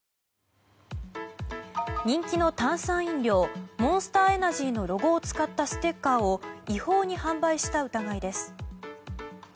人気の炭酸飲料モンスターエナジーのロゴを使ったステッカーを違法に販売した疑いです。